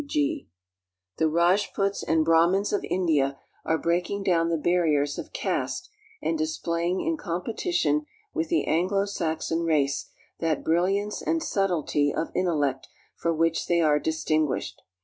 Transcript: W. G. The Rajputs and Brahmans of India are breaking down the barriers of caste and displaying in competition with the Anglo Saxon race that bril liance and subtlety of intellect for which they are distinguished.